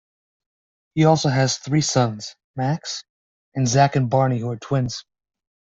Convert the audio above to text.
He also has three sons: Max, and Zak and Barnie who are twins.